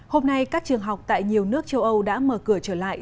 hôm nay các trường học tại nhiều nước châu âu đã mở cửa trở lại